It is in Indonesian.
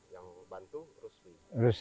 yang bantu rusli